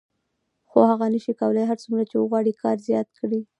خو هغه نشي کولای هر څومره چې وغواړي کار زیات کړي